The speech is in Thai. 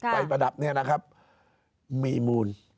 ประดับนี้นะครับมีมูล